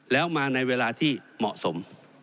แล้วมาในเวลาที่เหมาะสม